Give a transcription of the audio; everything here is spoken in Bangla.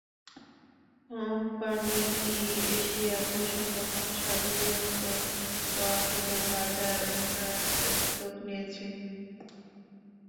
কোম্পানিটি এশিয়া প্রশান্ত মহাসাগরীয় অঞ্চল ও আফ্রিকায় বাজার উন্নয়নে উদ্যোগ নিয়েছে।